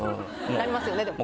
なりますよねでも。